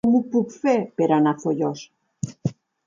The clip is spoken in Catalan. Com ho puc fer per anar a Foios?